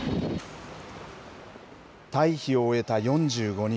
退避を終えた４５人。